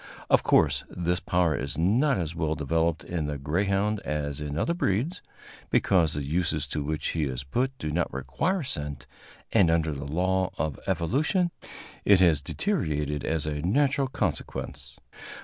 Of course, this power is not as well developed in the greyhound as in other breeds, because the uses to which he is put do not require scent, and, under the law of evolution, it has deteriorated as a natural consequence.